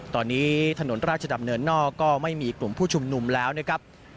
ตอนนี้ถนนราชดำเนินนอกก็ไม่มีกลุ่มผู้ชุมนุมแล้วนะครับ